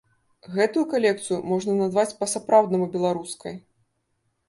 Гэтую калекцыю можна назваць па-сапраўднаму беларускай.